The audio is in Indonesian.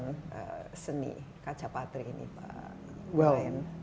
pembuatan seni kaca padi ini pak